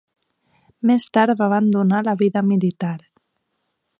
Més tard va abandonar la vida militar.